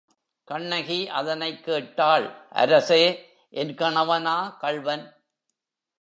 கண்ணகி அதனைக் கேட்டாள் அரசே, என் கணவனா கள்வன்?